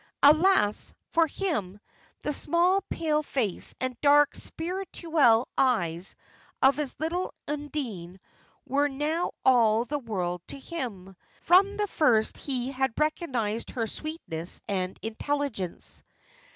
Alas! for him, the small, pale face and dark, spirituelle eyes of his little Undine were now all the world to him. From the first he had recognised her sweetness and intelligence.